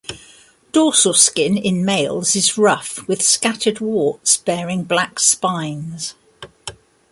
Dorsal skin in males is rough with scattered warts bearing black spines.